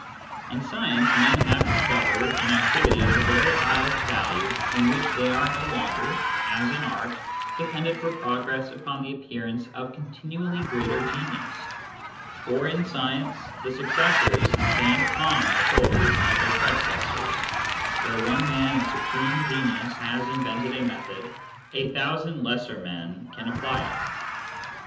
In science men have dis covered an activity of the very highest value in which they are no longer, as in art, dependent for progress upon the appearance of continually greater genius, for in science the successors stand upon the shoulders of their predecessors ; where one man of supreme genius has invented a method, a thousand lesser men can apply it.